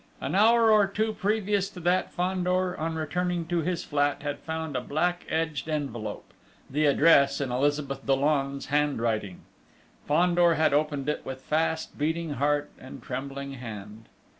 An hour or two previous to that, Fandor, on returning to his flat, had found a black edged envelope: the address in Elizabeth Dollon's handwriting. Fandor had opened it with fast beating heart and trembling hand!